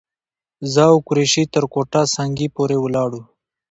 زه او قریشي تر کوټه سنګي پورې ولاړو.